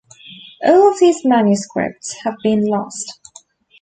All of these manuscripts have been lost.